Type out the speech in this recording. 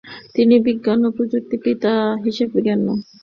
তিনি "বিজ্ঞান ও প্রযুক্তির পিতা" হিসেবে গণ্য।